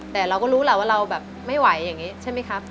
แต่เราก็รู้แหละว่าเราแบบไม่ไหวอย่างนี้ใช่ไหมครับ